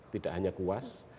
tidak hanya kuas